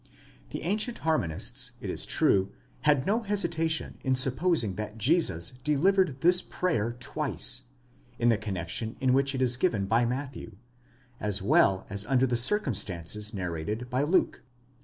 The ancient harmonists, it is true, had no hesitation in supposing that Jesus delivered this prayer twice,— in the connexion in which it is given by Matthew, as well as under the circum stances narrated by Luke (xi.